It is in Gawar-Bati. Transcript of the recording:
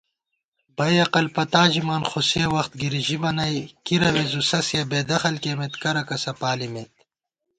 بئ عقل پتا ژِمان خوسےوخت گِری ژِبہ نئ * کی روے زُو سَیہ بېدخل کېمېت کرہ کسہ پالِمېت